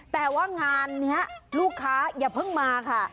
แต่ว่างานนี้ลูกค้าอย่าเพิ่งมาค่ะ